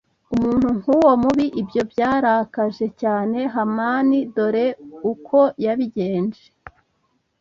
umuntu nk uwo mubi Ibyo byarakaje cyane Hamani Dore uko yabigenje